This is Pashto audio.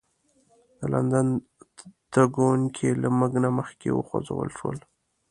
د لندن تګونکي له موږ نه مخکې وخوځول شول.